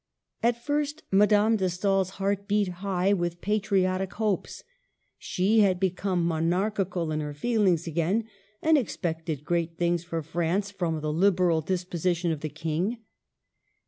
At first Madame de Stael's heart beat high with patriotic hopes. She had become monarch ical in her feelings again, and expected great things for France from the liberal disposition of the King.